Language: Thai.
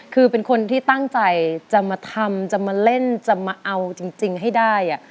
คือเป็นคนที่ตั้งใจจะมาทำจะมาเล่นจะมาเอาจริงให้ได้